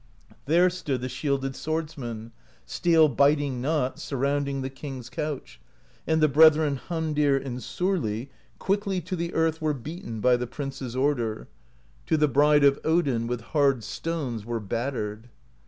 There stood the shielded swordsmen. Steel biting not, surrounding ^ The king's couch; and the brethren Hamdir and Sorli quickly To the earth were beaten By the prince's order. THE POESY OF SKALDS i6i To the Bride of Odin With hard stones were battered.